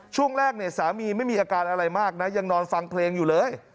ช่วงแรกเนี่ยสามีไม่มีอาการอะไรมากนะยังนอนฟังเพลงอยู่เลย